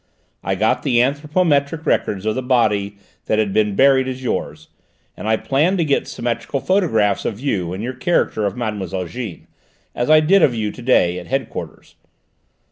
"I got the anthropometric records of the body that had been buried as yours, and I planned to get symmetrical photographs of you in your character of Mademoiselle Jeanne, as I did of you to day at head quarters.